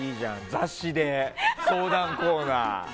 雑誌で相談コーナー。